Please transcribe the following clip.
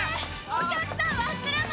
お客さん忘れ物！